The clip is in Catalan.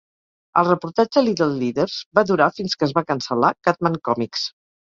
El reportatge "Little Leaders" va durar fins que es va cancel·lar "Cat-Man Comics".